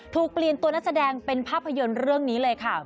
เปลี่ยนตัวนักแสดงเป็นภาพยนตร์เรื่องนี้เลยค่ะ